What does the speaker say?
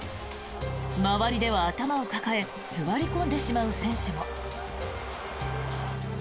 周りでは頭を抱え座り込んでしまう選手も。